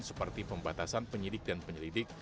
seperti pembatasan penyidik dan penyelidik